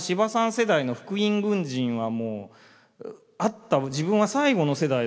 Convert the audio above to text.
世代の復員軍人はもう会った自分は最後の世代だと思う。